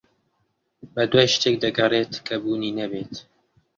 بەدوای شتێک دەگەڕێت کە بوونی نەبێت.